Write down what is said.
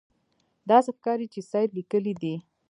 داسې ښکاري چې سید لیکلي دي.